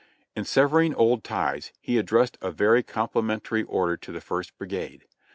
In severing old ties, he addressed a very complimentary order to the First Brigade.